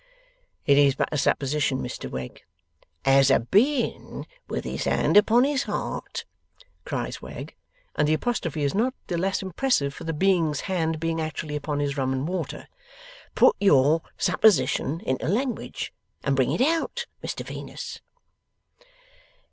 'It is but a supposition, Mr Wegg.' 'As a Being with his hand upon his heart,' cries Wegg; and the apostrophe is not the less impressive for the Being's hand being actually upon his rum and water; 'put your supposition into language, and bring it out, Mr Venus!